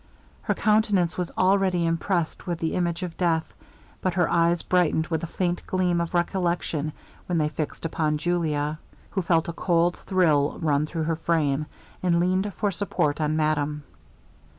Her countenance was already impressed with the image of death, but her eyes brightened with a faint gleam of recollection, when they fixed upon Julia, who felt a cold thrill run through her frame, and leaned for support on madame.